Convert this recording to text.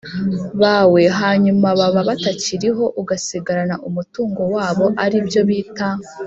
bawe hanyuma baba batakiriho ugasigarana umutungo wabo ari byo bita